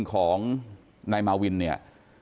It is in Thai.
ของนายมาวินเนี่ย